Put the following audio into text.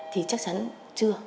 thì chắc chắn chưa